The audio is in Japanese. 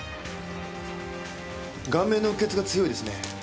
顔面のうっ血が強いですね。